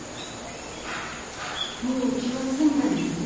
もう気は済んだんですね？